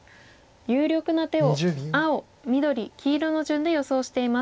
有力な手を青緑黄色の順で予想しています。